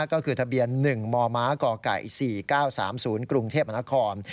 ก็คือทะเบียน๑มมกไก่๔๙๓๐กรุงเทพมนาคม